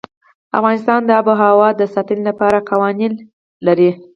افغانستان د آب وهوا د ساتنې لپاره قوانین لري.